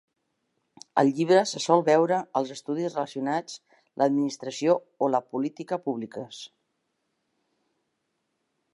El llibre se sol veure als estudis relacionats l'administració o la política públiques.